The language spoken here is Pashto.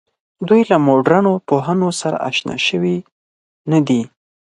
دوی له مډرنو پوهنو سره آشنا شوې نه ده.